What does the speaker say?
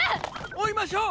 追いましょう！